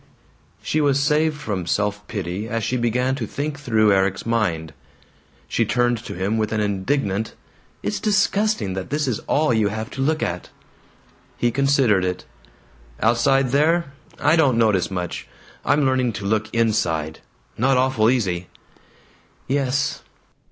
She was saved from self pity as she began to think through Erik's mind. She turned to him with an indignant, "It's disgusting that this is all you have to look at." He considered it. "Outside there? I don't notice much. I'm learning to look inside. Not awful easy!" "Yes.